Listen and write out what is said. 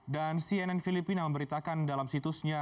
dan cnn filipina memberitakan dalam situsnya